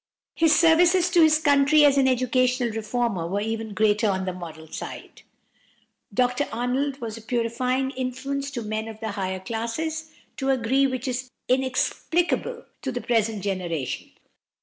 His services to his country as an educational reformer were even greater on the moral side. Dr Arnold was a purifying influence to men of the higher classes, to a degree which is inexplicable to the present generation.